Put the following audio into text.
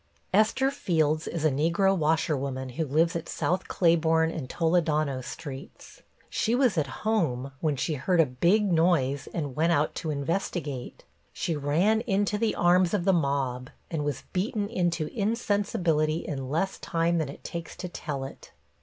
Esther Fields is a Negro washerwoman who lives at South Claiborne and Toledano Streets. She was at home when she heard a big noise and went out to investigate. She ran into the arms of the mob, and was beaten into insensibility in less time than it takes to tell it.